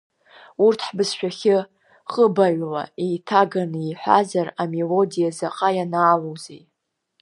Урҭ ҳбызшәахьы ҟыбаҩла еиҭаганы иҳәазар, амелодиа заҟа ианаалоузеи.